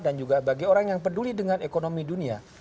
dan juga bagi orang yang peduli dengan ekonomi dunia